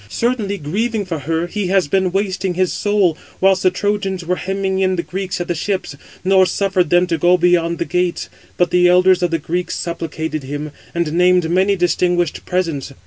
Certainly, grieving for her, he has been wasting his soul; whilst the Trojans were hemming in the Greeks at the ships, nor suffered them to go beyond the gates: but the elders of the Greeks supplicated him, and named many distinguished presents.